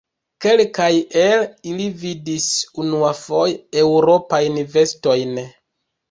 Kelkaj el ili vidis unuafoje Eŭropajn vestojn.